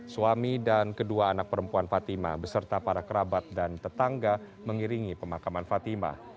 suami dan kedua anak perempuan fatima beserta para kerabat dan tetangga mengiringi pemakaman fatima